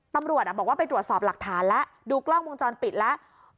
ตำรวจบอกว่าไปตรวจสอบหลักฐานแล้วดูกล้องวงจรปิดแล้ว